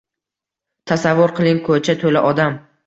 Tasavvur qiling, ko‘cha to‘la odam.